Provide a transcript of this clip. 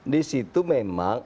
di situ memang